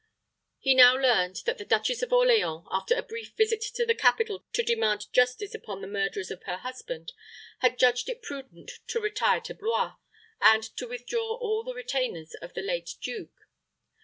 He now learned that the Duchess of Orleans, after a brief visit to the capital to demand justice upon the murderers of her husband, had judged it prudent to retire to Blois, and to withdraw all the retainers of the late duke.